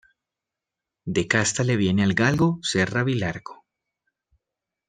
De casta le viene al galgo ser rabilargo.